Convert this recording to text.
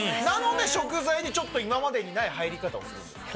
なので食材でちょっと今までにない入り方をするんです。